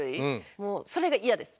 もうそれがイヤです。